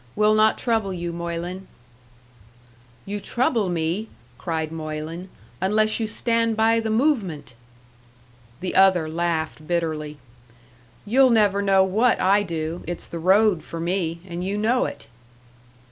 We'll not trouble you, Moylan." "You trouble me," cried Moylan, "unless you stand by the movement!" The other laughed bitterly. "You'll never know what I do. It's the road for me and you know it!"